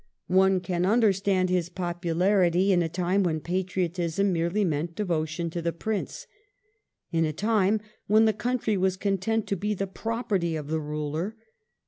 One can understand his popularity in a time when patriotism merely meant devo tion to the Prince, in a time when the country was content to be the property of the ruler.